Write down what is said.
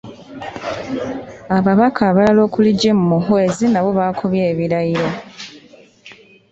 Ababaka abalala okuli Jim Muhwezi nabo bakubye ebirayiro.